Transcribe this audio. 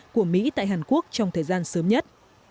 của mỹ tại hàn quốc trong thời gian sớm nhất